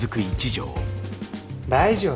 大丈夫。